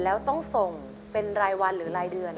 แล้วต้องส่งเป็นรายวันหรือรายเดือน